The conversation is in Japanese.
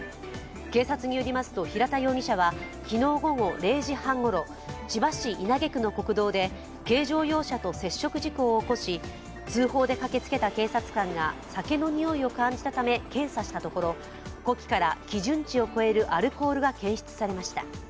警察によりますと、平田容疑者は昨日午後０時半ごろ千葉市稲毛区の国道で軽乗用車と接触事故を起こし通報で駆けつけた警察官が酒のにおいを感じたため検査したところ呼気から基準値を超えるアルコールが検出されました。